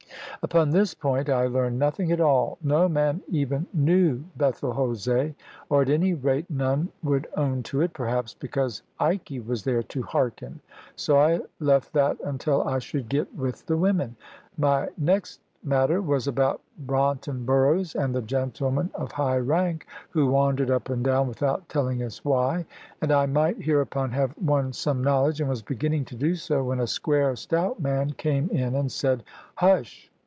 Upon this point I learned nothing at all. No man even knew Bethel Jose, or, at any rate, none would own to it, perhaps because Ikey was there to hearken; so I left that until I should get with the women. My next matter was about Braunton Burrows, and the gentleman of high rank who wandered up and down without telling us why. And I might hereupon have won some knowledge, and was beginning to do so, when a square stout man came in and said "Hush!"